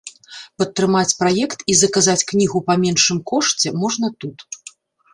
Падтрымаць праект і заказаць кнігу па меншым кошце можна тут.